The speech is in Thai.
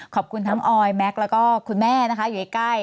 ขอบคุณทั้งออยแม็กซ์แล้วก็คุณแม่นะคะอยู่ใกล้